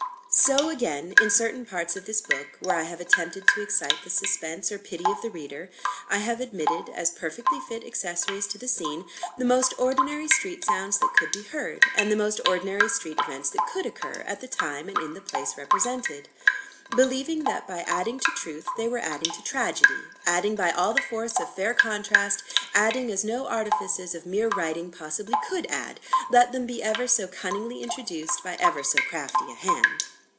So again, in certain parts of this book where I have attempted to excite the suspense or pity of the reader, I have admitted as perfectly fit accessories to the scene the most ordinary street sounds that could be heard, and the most ordinary street events that could occur, at the time and in the place represented believing that by adding to truth, they were adding to tragedy adding by all the force of fair contrast adding as no artifices of mere writing possibly could add, let them be ever so cunningly introduced by ever so crafty a hand.